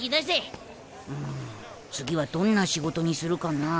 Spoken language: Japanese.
うん次はどんな仕事にするかなぁ。